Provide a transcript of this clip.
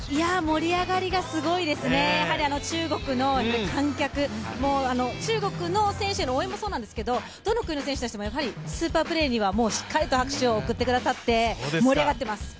盛り上がりがすごいですね、中国の観客、中国の選手の応援もそうなんですけれども、どの国の選手にもやはりスーパープレーにはしっかりと拍手を送ってくださって、盛り上がってます。